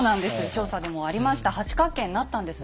調査にもありました八角形になったんですね。